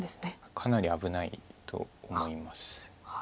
かなり危ないと思います。